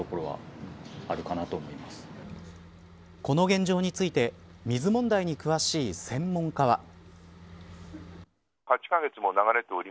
この現状について水問題に詳しい専門家は。